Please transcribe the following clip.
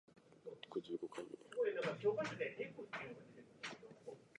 北海道倶知安町